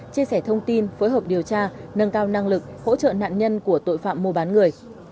chia sẻ thông tin phối hợp điều tra nâng cao năng lực hỗ trợ nạn nhân của tội phạm mua bán người